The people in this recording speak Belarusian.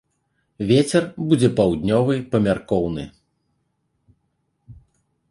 Вецер будзе паўднёвы памяркоўны.